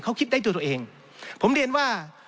เขาคิดได้ตัวตัวเองผมเรียนว่า